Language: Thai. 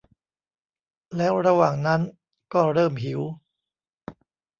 แล้วระหว่างนั้นก็เริ่มหิว